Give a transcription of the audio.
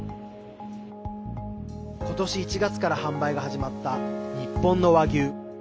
今年１月から販売が始まった日本の和牛。